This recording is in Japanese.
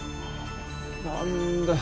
何だよ